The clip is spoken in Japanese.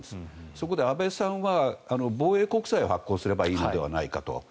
そこで安倍さんは防衛国債を発行すればいいのではないかと。